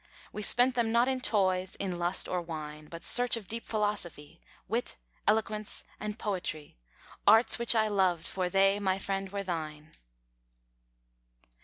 We spent them not in toys, in lust, or wine, But search of deep philosophy, Wit, eloquence, and poetry, Arts which I loved, for they, my friend, were thine.